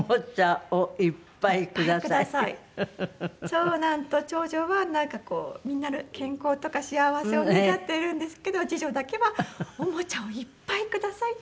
長男と長女はなんかこうみんなの健康とか幸せを願ってるんですけど次女だけは「おもちゃをいっぱいください」って。